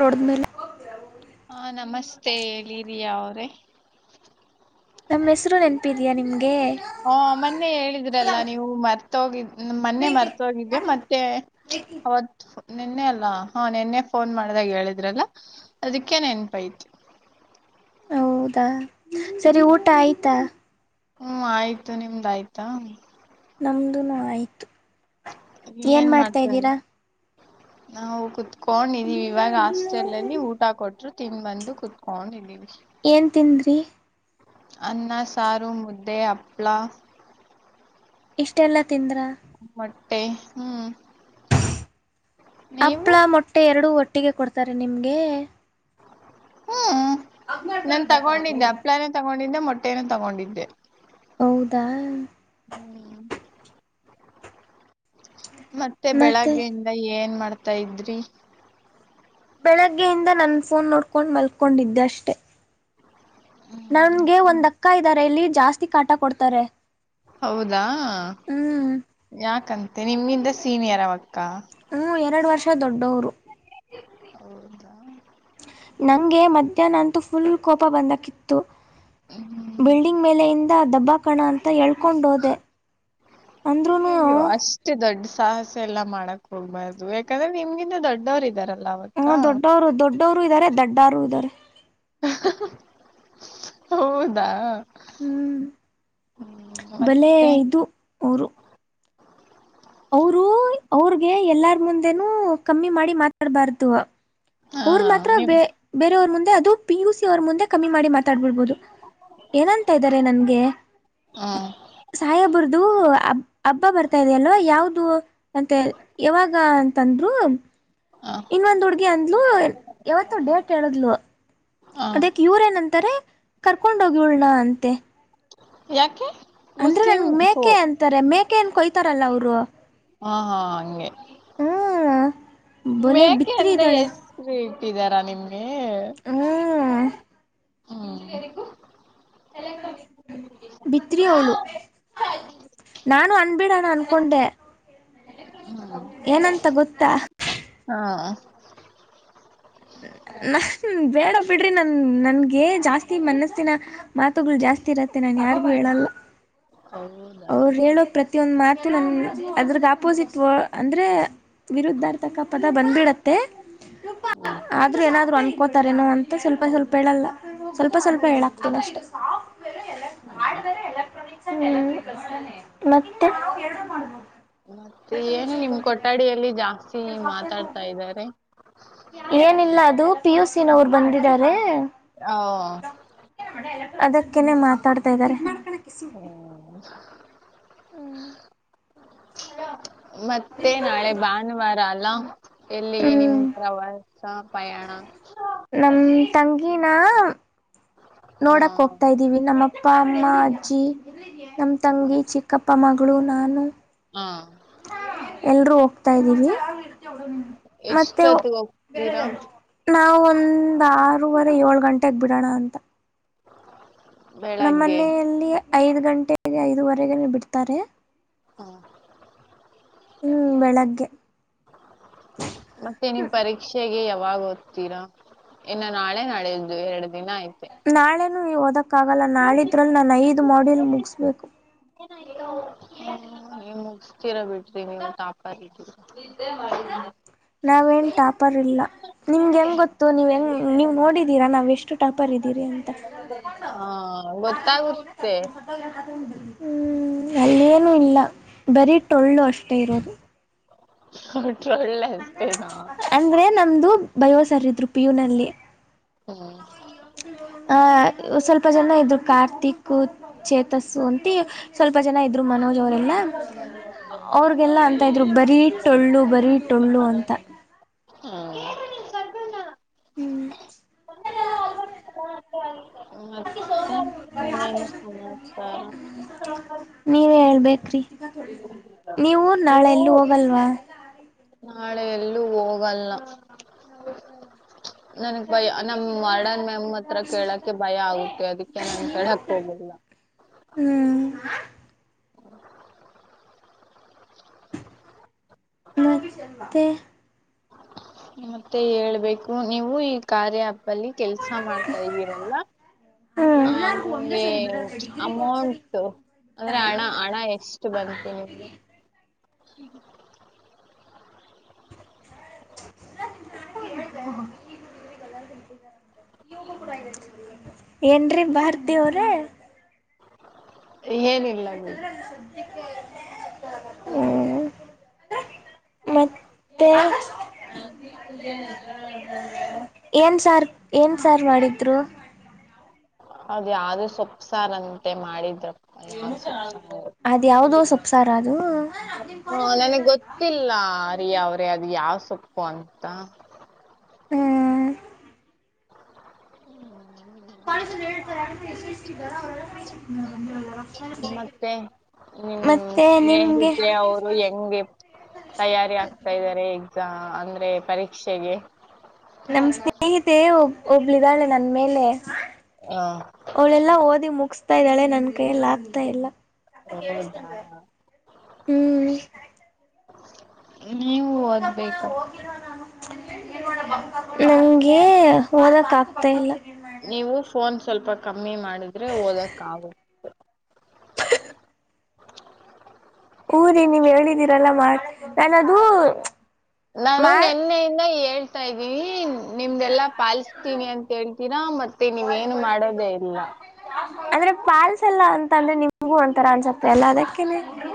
ನೋಡಿದ್ಮೇಲೆ ಹಾ ನಮಸ್ತೆ ತ್ತೆ ಹೇಳಿ ರಿಯ ಅವ್ರೆ ನಮ್ ಹೆಸರು ನೆನಪಿದಿಯಾ ನಿಮ್ಗೆ ಹ ಮೊನ್ನೆ ಹೇಳಿದ್ರಲ್ಲ ನೀವು ಮರ್ತ ಹೋಗಿದ್ ಮೊನ್ನೆ ಮರ್ತ್ ಹೋಗಿದ್ದೆ ಮತ್ತೆ ಅವತ್ ನಿೆನ್ನೆ ಅಲ್ಲಾ ಹಾ ನಿೆನ್ನೆ ಫೋನ್ ಮಾಡ್ದಾಗ ಹೇಳಿದ್ರಲ್ಲ ಅದಕ್ಕೆ ನೆನ್ಪೈತಿ [inaudible] ಹೌದಾ ಸರಿ ಊಟ ಆಯ್ತಾ ಹ್ಮ್ ಆಯ್ತು ನಿಮ್ದಯ್ತಾ ನಮ್ದುನು ಆಯ್ತು ಏನ್ ಮಾಡ್ತಾ ಇದ್ದೀರಾ ನಾವು ಕುತ್ಕೊಂಡಿದೀವಿ ಇವಾಗ ಹಾಸ್ಟೆಲ್ ಲಿ ಊಟ ಕೊಟ್ರು ತಿಂದ್ ಬಂದು ಕುೂತ್ಕೊಂಡ್ದೀವಿ ಏನ್ ತಿಂದ್ರಿ ಅನ್ನ ಸಾರು ಮುದ್ದೆ ಅಪ್ಳ ಇಷ್ಟೆಲ್ಲ ತಿಂದ್ರ ಮೊಟ್ಟೆ ಹ್ಮ್ ನೀವು ಹಪ್ಳ ಮೊಟ್ಟೆ ಎರಡು ಒಟ್ಟಿಗೆ ಕೊಡ್ತಾರ ನಿಮ್ಗೆ ಹ್ಮ್ ನನ್ ತಗೊಂಡಿದ್ದೆ ಹಪ್ಳಾನೇ ತಗೊಂಡಿದ್ದೆ ಮೊಟ್ಟೆನು ತಗೊಂಡಿದ್ದೆ ಹೌದಾ ಹ್ಮ್ ಮತ್ತೆ ಬೆಳಗ್ಗೆಯಿಂದ ಏನ್ ಮಾಡ್ತಾ ಇದ್ರಿ ಬೆಳಗ್ಗೆಯಿಂದ ನನ್ ಫೋನ್ ನೋಡ್ಕೊಂಡು ಮಲ್ಕೊಂಡಿದ್ದೆ ಅಷ್ಟೆ ನನ್ಗೆ ಒಂದ್ ಅಕ್ಕ ಇದ್ದಾರೆ ಇಲ್ಲಿ ಜಾಸ್ತಿ ಕಾಟ ಕೊಡ್ತಾರೆ ಹೌದಾ ಹ್ಮ್ ಯಾಕಂತೆ ನಿಮಿಂದ ಸೀನಿಯರ ಅವಕ್ಕ ಕ್ಕಾ ಷ ದೊಡ್ಡವರು ಹೌದ ನಂಗೆ ಮಧ್ಯಾಹ್ನ ಅಂತೂ ಫುಲ್ ಕೋಪ ಬಂದಕಿತ್ತು ಹ್ಮ್ ಬಿಲ್ಡಿಂಗ್ ಮೇಲೆ ಇಂದ ದಬ್ಬಾಕಣ ಅಂತ ಹೇಳ್ಕೊಂಡೋದೆ ಅಂದ್ರುನು ಅಯ್ಯಯ್ಯೋ ಅಷ್ಟು ದೊಡ್ಡ ಸಾಹಸ ಎಲ್ಲಾ ಮಾಡಕ್ ಹೋಗ್ಬಾರ್ದು ಯಾಕಂದ್ರೆ ನಿಮ್ ಗಿಂತ ದೊಡ್ಡವರಿದಾರಲ್ಲ ಅವಕ್ಕ ಹ್ಮ ದೊಡ್ಡವರು ದೊಡ್ಡವರು ಇದ್ದಾರೆ ದಡ್ಡರು ಇದ್ದಾರೆ ಹೌದಾ ಹ್ಮ್ ಹ್ಮ್ ಬಲೆ ಮತ್ತೆ ಇದು ಅವರು ಅವರು ಅವ್ರಗೆ ಎಲ್ಲಾರ್ ಮುಂದೆನೂ ಕಮ್ಮಿ ಮಾಡಿ ಮಾತಾಡ್ಬಾರ್ದು ಹಾ ಅವರು ಮಾತ್ರ ನೀವು ಬೆ ಬೇರೆಯವ್ರ ಮುಂದೆ ಅದು ಪಿ ಯು ಸಿ ಅವರ್ ಮುಂದೆ ಕಮ್ಮಿ ಮಾಡಿ ಮಾತಾಡ್ಬಿಬಹುದು ಏನಂತ ಇದ್ದಾರೆ ನನ್ಗೆ ಹಾ ಸಾಹೇಬ್ರುದು ಹ ಹಬ್ಬ ಬರ್ತಾ ಇದೆಯಲ್ವ ಯಾವ್ ದು ಅಂತ ಯಾವಾಗ ಅಂತಂದ್ರು ಹ ಇನ್ನೊಂದ್ ಹುಡ್ಗಿ ಅಂದ್ಲು ಯಾವತ್ತು ಡೇಟ್ ಹೇಳಿದ್ಲು ಹ ಅದಕ್ ಇವ್ರ ಏನಂತಾರೆ ಕರ್ಕೊಂಡೋಗ್ ಇವ್ಳನ್ನ ಅಂತರೆ ಯಾಕೆ ಅಂದ್ರೆ ಮುಸ್ಲಿಂ ನನ್ಗ್ ಥೋ ಮೇಕೆ ಅಂತಾರೆ ಮೇಕೆ ಏನ್ ಕೊಯ್ತಾರಲ್ಲ ಅವರು ಹಾ ಹಾ ಹಂಗೆ ಹ್ಮ್ ಬೊಲೆ ಮೇಕೆ ಬಿತ್ರಿ ಅಂತ ಇದ್ದಾಳೆ ಹೆಸ್ರು ಇಟ್ಟಿದಾರ ನಿಮ್ಗೆ ಹ್ಮ ಎರಗು ಬಿತ್ರಿ ಅವಳು ಹ್ಮ್ ನಾನು ಅನ್ಬೇಡ ಡ ಅನ್ಕೊಂಡೆ ಏನಂತ ಗೊತ್ತಾ ಹಾ ನಹ್ನ್ ಬೇಡ ಬಿಡ್ರಿ ನನ್ ನನ್ಗೆ ಜಾಸ್ತಿ ಮನಸ್ಸಿನ ಮಾತುಗಳು ಜಾಸ್ತಿ ಇರತ್ತೆ ನನ್ ಯಾರಿಗು ಹೇಳಲ್ಲ ಅವರು ಹೇಳೋ ಪ್ರತಿಯೊಂದ ಮಾತು ನನ್ನ ಅದ್ರಗ್ ಆಪೋಸಿಟ್ ವ ಅಂದ್ರೆ ವಿರುದ್ಧಾರ್ಥಕ ಪದ ಬಂದ್ಬಿಡತ್ತೆ ಆದ್ರೂ ಏನಾದ್ರು ಅನ್ಕೋತಾರೇನೋ ಅಂತ ಸ್ವಲ್ಪ ಸ್ವಲ್ಪ ಹೇಳಲ್ಲ ಸ್ವಲ್ಪ ಸ್ವಲ್ಪ ಹೇಳಕ್ತಿನಿ ಅಷ್ಟೇ ಹ್ಮ ಮತ್ತೆ ಮತ್ತೆ ಏನು ನಿಮ್ ಕೊಠಡಿಯಲ್ಲಿ ಜಾಸ್ತಿ ಮಾತಾಡ್ತಾ ಇದಾರೆ ಏನಿಲ್ಲ ಅದು ಪಿ ಯು ಸಿ ನವ್ರು ಬಂದಿದ್ದಾರೆ ಹ ಅಕೆನೆ ಮಾತಾಡ್ತಾ ಇದ್ದಾರೆ ಹ್ಮ ಹ್ಮ್ ನ [unintelligible] ಮತ್ತೆ ನಾಳೆ ಭಾನುವಾರ ಅಲ್ಲ ಎಲ್ಲಿಗೆ ನಿಮ ಹ್ಮ್ ಪ್ರವಾಸ ಪಯಣ ನಮ ತಂಗಿನ ಹಾ ನೋಡಕ್ ಹೋಗ್ತಾದೀವಿ ನಮ್ಮ ಅಪ್ಪ ಅಮ್ಮ ಅಜ್ಜಿ ನಮ್ಮ ತಂಗಿ ಚಿಕ್ಕಪ್ಪ ಮಗಳು ನಾನು ಹಾ ಎಲ್ರೂ ಹೋಗ್ತಾ ಇದ್ದೀವಿ ಮತ್ತೆ ಎಷ್ಟೊತ್ತಿಗೆ ಹೋಗ್ತೀರಾ ನಾವು ಒಂದ್ ಆರೂವರೆ ಏಳ್ ಗಂಟೆಗ್ ಬಿಡೋಣ ಅಂತ ನಮ್ ಬೆಳಗ್ಗೆ ಮನೆಯಲ್ಲಿ ಐದ್ ಗಂಟೆಗೆ ಐದುವರೆಗೆ ಬಿಡ್ತಾರೆ ಹಾ ಹ್ಮ್ ಬೆಳಗ್ಗೆ ಮತ್ತೆ ನಿವು ಪರೀಕ್ಷೆಗೆ ಯಾವಾಗ ಓದ್ತೀರಾ ಇನ್ನು ನಾಳೆ ನಡೆಯು ಎರಡು ದಿನ ಆಯ್ತೆ ನಾಳೆನೂ ಓದಕ್ಕಾಗಲ್ಲ ನಾಳಿದ್ರಲ್ಲಿ ನಾನು ಐದು ಮಾಡ್ಯೂಲ್ ಮುಗಿಸಬೇಕು ನೀವು ಮುಗತೀರಾ ಬಿಡ್ರಿ ನೀವು ಟಾಪರ್ ಇದಿರಿ ನಾವೇನ್ ಟಾಪರ್ ಇಲ್ಲ ನಿಮ್ಗೆ ಹೆಂಗ್ ಗೊತ್ತು ನೀವ್ ಹೆಂಗ ನೀವ್ ನೋಡಿದೀರಾ ನಾವ್ ಎಷ್ಟು ಟಾಪ್ಪರ್ ಇದಿರಿ ಅಂತ ಹಾ ಗೊತ್ತಾಗುತ್ತೆ ಹ್ಮ್ ಅಲ್ಲೇನುೂ ಇಲ್ಲ ಬರೀ ಟೊಳ್ಳು ಅಷ್ಟೇ ಇರೋದು ಹೌ ಅಂದ್ರೆ ನಮ್ದು ಬಯೋಸರಿದ್ರು ಪಿಯುನಲ್ಲಿ ಹ್ಮ್ ಹಾ ಸ್ವಲ್ಪ ಜನ ಇದ್ರು ಕಾರ್ತಿಕ್ ಚೇತಸ್ಸು ಅಂತಿ ಸ್ವಲ್ಪ ಜನ ಇದ್ರು ಮನೋಜ್ ಅವರೆಲ್ಲ ಮತ್ತೆ ಅವ್ರಗೆಲ್ಲ ಅಂತ ಇದ್ರು ಇನ್ನೇನು ಬರೀ ಟೊಳ್ಳು ಬರೀ ಟೊಳ್ಳು ಅಂತ ಹ್ಮ್ ಹ್ಮ್ ಮತ್ತೆ ಏನ್ ಸಮಾಚಾರ ನೀವೇ ಹೇಳ್ಬೇಕ್ರಿ ನೀವು ನಾಳೆ ನೀವು ಯಲ್ಲೂ ಹೋಗಲ್ವಾ ನಾಳೆ ಎಲ್ಲೂ ಹೋಗಲ್ಲ ನನ್ಗ್ ಭಯ ನಮ್ಮ ಮಾಡನ್ ನಮ್ಮ ಹತ್ರ ಕೇಳಕ್ಕೆ ಭಯ ಆಗುತ್ತೆ ಅದಕ್ಕೆ ನನ್ ಕೇಳಕ್ ಹೋಗಿಲ್ಲ ಹ್ಮ್ ಮತ್ತೆ ಮತ್ತೆ ಹೇಳ್ಬೇಕು ನೀವು ಈ ಕಾರ್ಯ ಆಪ್ ದಲ್ಲಿ ಕೆಲ್ಸ ಮಾಡ್ತಾ ಇದ್ದೀರಲ್ಲ ಹ್ಮ್ ಹಾ ನಿಮ್ಗೆ ಅಮೌಂಟ್ ಅಂದ್ರೆ ಹಣ ಹಣ ಎಷ್ಟು ಬರುತ್ತೆ ನಿಮ್ಗೆ [inaudible] ಏನ್ ರಿ ಭಾರತಿ ಅವರ್ರೆ ಏನಿಲ್ಲ ಬಿಡಿ ಹ್ಮ್ ಮತ್ [inaudible] ಏನ್ ಸಾರ್ ಏನ್ ಸಾರ್ ಮಾಡಿದ್ರು ಅದ್ ಯಾವ್ದೋ ಸೊಪ್ ಸಾರಂತೆ ಮಾಡಿದ್ರು ಅದ್ ಯಾವ್ದೋ ಸೊಪ್ಸಾರ ಅದು ಹಾ ನನಗ್ ಗೊತ್ತಿಲ್ಲ ಅರಿ ಅವ್ರೆ ಅದು ಯಾವ ಸೊಪ್ಪು ಅಂತ ಹಾಂ [unintelligible] ಮತ್ತೆ ನಿಮ ಮತ್ತೆ ನಿಮ್ಗೆ ಸ್ನೇಹಿತೆ ಅವರು ಹೆಂಗೆ ತಯಾರಿ ಆಗ್ತಾ ಇದ್ದಾರೆ ಎಕ್ಜ್ ಅಂದ್ರೆ ಪರೀಕ್ಷೆಗೆ. ನಮ್ ಸ್ನೇಹಿತೆ ಒಬ್ ಒಬ್ಳಿದಾಳೆ ನನ್ ಮೇಲೆ ಹ ಅವಳೆಲ್ಲಾ ಓದಿ ಮುಗಸ್ತಾ ಇದ್ದಾಳೆ ನನ್ ಕೈಯಲ್ಲ ಆಗ್ತಾ ಇಲ್ಲ ಹೌದಾ ಕೇಳ್ಸ್ತಿಲ್ವೇ ಹ್ಮ ನೀವು ಓದ್ಬೇಕ ನಂಗೆ ಓದಕ್ ಆಗ್ತಾ ಇಲ್ಲ ನೀವು ಫೋನ್ ಸ್ವಲ್ಪ ಕಮ್ಮಿ ಮಾಡಿದ್ರೆ ಓದಕ್ ಆಗುತೆ [inaudible] ಹು ರಿ ನೀವ್ ಹೇಳಿದೀರಲ್ಲ ಮಾಡ್ ನಾನ್ ಅದು ನಾನು ನೆನ್ನೆಯಿಂದ ಹೇಳ್ತಾ ಇದ್ದೀವಿ ನಿಮ್ದೆಲ್ಲಾ ಪಾಲಿಸತೀನಿ ಅಂತ ಹೇಳ್ತೀರಾ ಮತ್ತೆ ನೀವ್ ಏನು ಮಾಡೋದೇ ಇಲ್ಲ ಅಂದ್ರೆ ಪಾಲ್ಸ್ ಎಲ್ಲಾ ಅಂತ ಅಂದ್ರೆ ನಿಮ್ಗೂ ಒಂತರ ಅನ್ಸುತೆ ಎಲ್ಲ ಅದೆ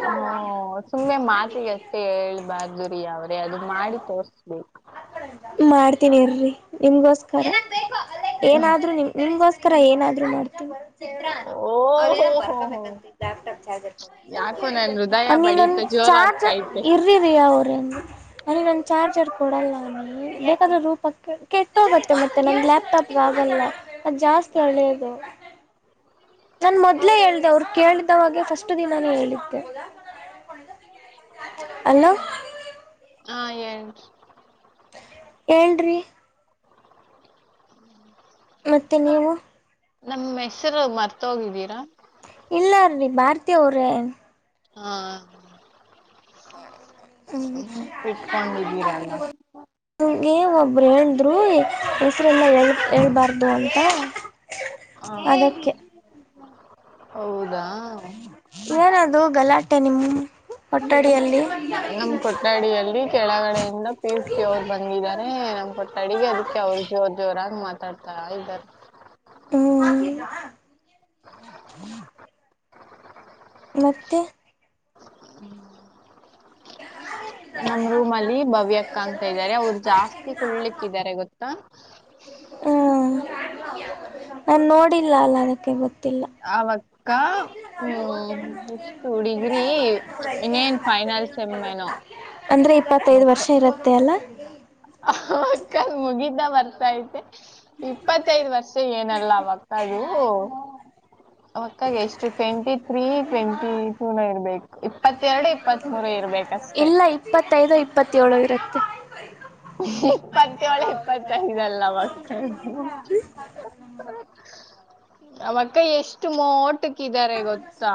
ಹ ಸುಮ್ಮ್ನೆ ಮಾತಿಗೆ ಅಷ್ಟೇ ಹೇಳ್ಬಾರ್ದ ರಿ ಅವ್ರೆ ಅದು ಮಾಡಿ ತೋರ್ಸ್ಬೇಕ್ ಮಾಡ್ತೀನಿ ರೀ ನಿಮ್ಗೋಸ್ಕರ ಏನಾದ್ರು ನಿಮ್ ನಿಮ್ಗೋಸ್ಕ ಕರ ಏನಾದ್ರು ಮಾಡ್ತೀನಿ ಓಹೋ ಅವ್ರೇನೊ ಹೋ ಹೋ ಬರಕೊಬೇಕಂತೆ ಲ್ಯಾಪ್ಟಾಪ್ ಚಾರ್ಜರ್ ಕೊಡು ಯಾಕೋ ನನ್ ಹೃದಯ ಅಮ್ಮಿ ನನ್ ಬಡಿತ ಜೋರ್ ಆಗ್ತಾ ಚಾರ್ಜರ್ ಐತೆ ಇರಿರೀ ಅವ್ರೇನು ನನಗ್ ನನ್ನ ಚಾರ್ಜರ್ ಕೊಡಲ್ಲ ಬೇಕಾಂದ್ರೆ ರೂಪಕ್ಕ ಕೆಟ್ಟೋಗುತ್ತೆ ಮತ್ತೆ ನಂಗೆ ಲ್ಯಾಪ್ ಟಾಪ್ ಗೆ ಆಗಲ್ಲ ಅದು ಜಾಸ್ತಿ ಹಳ್ಳೆದು ನನ್ ಮೊದ್ಲೇ ಹೇಳ್ದೆ ಅವ್ರ ಕೇಳಿದವಾಗೆ ಫಸ್ಟ್ ದಿನಾನೆ ಹೇಳಿದ್ದೆ. ಅಲೋ ಹಾ ಹೇಳ್ ಅಣ್ಣ ಹೇಳ್ ರೀ ಮತ್ತೆ ನೀವು ನಮ್ ಹೆಸರು ಮರ್ತೊಗಿದ್ರೀರಾ ಇಲ್ಲ ರೀ. ಭಾರತಿ ಅವ್ರೇ. ಹಾ ಹ್ಮ ನೆನ್ಪಿಟ್ಕೊಂಡಿದ್ದೀರಲ್ಲ ನಿವ್ ಒಬ್ರೆ ರೀ ಹೆಸರ್ ಎಲ್ಲಾ ಹೇಳ್ಬಾರ್ದು ಅಂತ ಅದಕ್ಕೆ ಹೌದಾ ಏನದು ಗಲಾಟೆ ನಿಮ್ ನಮ್ ಕೊಠಡಿಯಲ್ಲಿ ಕೆಳಗಡೆಯಿಂದ ಪೀತ್ಸಿ ಅವರು ಬಂದಿದ್ದಾರೆ. ಕೊಟ್ಟ ಅಡಿಗೆ ಅದಕ್ಕೆ ಅವ್ರು ಜೋರ್ ಜೋರಾಗಿ ಮಾತಾಡ್ತಾರ ಇದ್ದಾರೆ. ಹ ಮತ್ತೆ ಹ್ಮ್ [unintelligible] ಹ [unintelligible] ನಮ್ ರೂಮ್ ಅಲ್ಲಿ ಭವ್ಯಕ್ಕ ಅಂತ ಇದ್ದಾರೆ ಅವರು ಜಾಸ್ತಿ ಕುಳ್ಳಿಕ್ಕೆ ಇದ್ದಾರೆ ಗೊತ್ತಾ? ಹ್ಮ ನನ್ ನೋಡಿಲ್ಲ ಅಲ್ಲ ಅದಕ್ಕೆ ಗೊತ್ತ್ ತ್ತಿಲ್ಲ ಅವಕ್ಕ ಹ್ಮ್ ಎಷ್ಟು ಡಿಗ್ರಿ ಇನ್ನೇನ್ ಫೈನಲ್ ಸೆಮ್ ಏನೋ [unintelligible] ಅಂದ್ರೆ ಇಪ್ಪತ್ತೈದು ವರ್ಷ ಇರುತ್ತೆ ಅಲ್ಲ. ಅ ಅಕ್ಕ ಮುಗಿತ್ತ ಬರ್ತೈತೆ ಇಪ್ಪತ್ತೈದ್ ವರ್ಷ ಏನಲ್ಲ ಅವಕ್ಕವು ಅವು ಅಕ್ಕಾಗ ಎಷ್ಟು ಟ್ವೆಂಟಿ ತ್ರೀ ಟ್ವೆಂಟಿ ಟೂನ ಇರ್ಬೇಕು. ಇಪ್ಪತ್ತೆರಡು ಇಪ್ಪತ್ ಮೂರು ಇರ್ಬೇಕು ಇಲ್ಲ ಇಪ್ಪತ್ತೈದು ಇಪ್ಪತ್ತೇಳು ಇರುತ್ತೆ. ಹಾ ಇಪ್ಪತ್ತೇಳು ಇಪ್ಪತ್ತೈದಲ್ಲ ಅವಕ್ಕ [unintelligible] ಹ್ಮ ಅವಕ್ಕ ಎಷ್ಟು ಮೋಟಕ್ಕ್ ಕ್ಕಿದ್ದಾರೆ ಗೊತ್ತಾ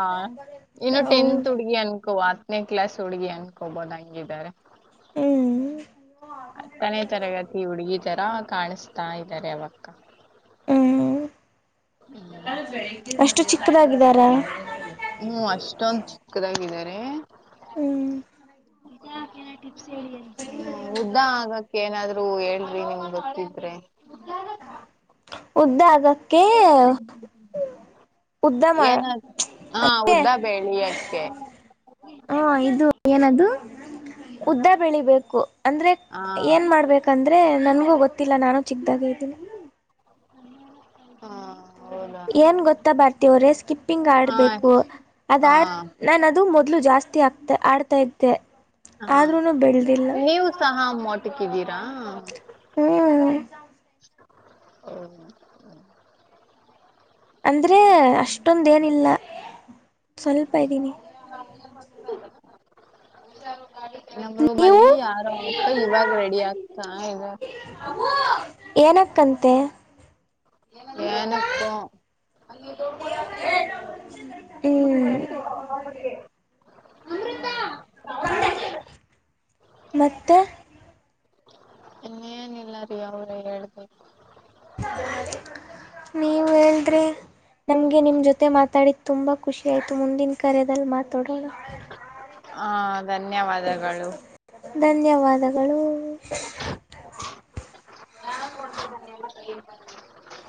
ಇನ್ನು ಟೆಂತ್ ಹೌದು ಹುಡ್ಗಿ ಅನ್ಕೋ ಹತ್ತನೆ ಕ್ಲಾಸ್ ಹುಡುಗಿ ಅನ್ಕೊಬೋದು ಹಂಗಿದ್ದಾರೆ ಹ್ಮ್ ಹತ್ತನೆೇ ತರಗತಿ ಹುಡುಗಿ ತರ ಕಾಣಿಸ್ತಾ ಇದ್ದಾರೆ ಅವಕ್ಕ. ಹ್ಮ್ ಅಷ್ಟು ಚಿಕ್ಕದಾಗಿದ್ದಾರ ಹ್ಮ್ ಅಷ್ಟೊಂದ್ [unintelligible] ಹ್ಮ್ ಉದ್ದ ಆಗಕ್ಕೆ ಏನಾದ್ರೂ ಹೇಳ್ರಿ ನಿಮ್ ಗೊತ್ತಿದ್ರೆ. ಉದ್ದ [unintelligible] ಮಾಡ ಏನ ಹಾ ಉದ್ದ ಬೆೇಳಿ ಯಕೆ ಹಾ ಇದು ಏನದು ಉದ್ದ ಬೆಳಿಬೇಕು ಅಂದ್ರೆ ಹಾ ಏನ್ ಮಾಡ್ಬೇಕಂದ್ರ ಅಂದ್ರೆ ನನ್ಗೂ ಗೊತ್ತಿಲ್ಲ ನಾನು ಚಿಕ್ಕದಾಗಿ ಇದ್ದೀನಿ ಹ್ಮ ಏನ್ ಗೊತ್ತಾ ಭಾರತಿ ಅವರೇ ಸ್ಕಿಪ್ಪಿಂಗ್ ಹಾ ಆಡ್ಬೇಕು ಅದ ಹಾ ಆಡ್ ನಾನ ಅದು ಮ ಜಾಸ್ತಿ ಆ ಆಡ್ತಾ ಇದೆ ಹಾ ಆದ್ರೂನು ಬೆಳ ನೀವು ಸಹ ಮೋಟಕ್ಕಿದ್ದೀರಾ ಹ್ಮ್ ಅಂದ್ರೆ ಅಷ್ಟೊಂದ ಏನಿಲ್ಲ ಸ್ವಲ್ಪ ಇದ್ದೀನಿ ನಮ್ ರೂಮ್ ಅಲ್ಲಿ ನೀವು ಯಾರ ಅಕ್ಕ ಇವಾಗ ರೆಡಿ ಆಗ್ತಾ ಈಗ ಕಂತೆ ಏನುಕೊ ಹ್ಮ್ ಬಂದೆ ಮತ್ತೆ ಇನ್ನೇನಿಲ್ಲ ರೀ [unintelligible] ನೀವು ಹೇಳ್ರಿ ನಮ್ಗೆ ನಿಮ ಜೊತೆ ಮಾತಾಡಿ ತುಂಬಾ ಖುಷಿ ಆಯಿತು ಮುಂದಿನ ಕರೆದಲ್ಲಿ ಮಾ ತೋಡಣ ಹಾ ಧನ್ಯವಾದಗಳು [unintelligible] ಧನ್ಯವಾದಗಳು [unintelligible] [unintelligible]